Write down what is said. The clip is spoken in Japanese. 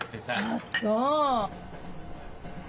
あっそう。